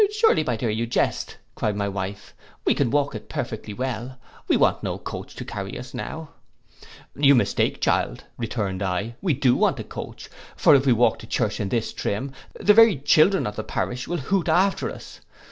—'Surely, my dear, you jest,' cried my wife, 'we can walk it perfectly well: we want no coach to carry us now.' 'You mistake, child,' returned I, 'we do want a coach; for if we walk to church in this trim, the very children in the parish will hoot after us.